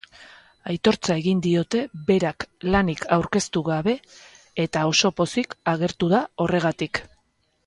Aitortza egin diote berak lanik aurkeztu gabe eta oso pozik agertu da horregatik.